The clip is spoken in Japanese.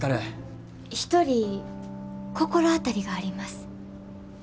一人心当たりがあります。